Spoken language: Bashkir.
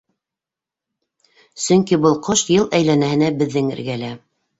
Сөнки был ҡош йыл әйләнәһенә беҙҙең эргәлә.